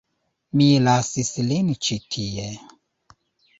Mi lasis lin ĉi tie.